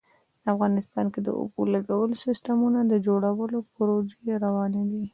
افغانستان کې د اوبو لګولو سیسټمونو د جوړولو پروژې روانې دي